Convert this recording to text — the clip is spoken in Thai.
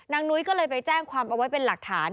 นุ้ยก็เลยไปแจ้งความเอาไว้เป็นหลักฐาน